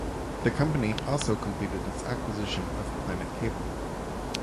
The company also completed its acquisition of Planet Cable.